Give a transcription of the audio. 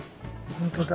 本当だ。